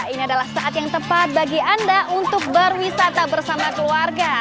ini adalah saat yang tepat bagi anda untuk berwisata bersama keluarga